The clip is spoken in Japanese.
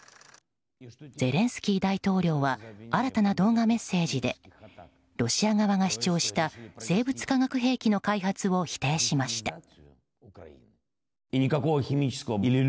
ゼレンスキー大統領は新たな動画メッセージでロシア側が主張した生物・化学兵器の開発を否定しました。